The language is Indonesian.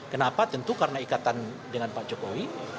kenapa tentu karena ikatan dengan pak jokowi